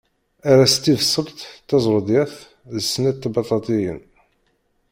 Err-as tibṣelt, tazṛudiyat d snat tbaṭaṭayin.